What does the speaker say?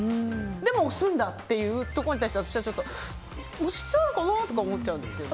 でも押すんだっていうところに対して私は、ちょっと押しちゃうのかなとか思っちゃうんですけど。